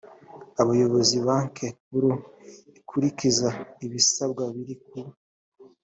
abayobozi banki nkuru ikurikiza ibisabwa biri ku